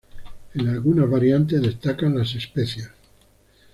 En algunas variantes destacan las especias.